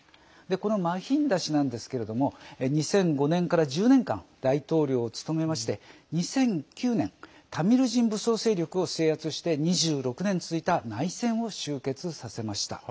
このマヒンダ氏なんですけれども２００５年から１０年間大統領を務めまして２００９年タミル人武装勢力を制圧して２６年続いた内戦を終結させました。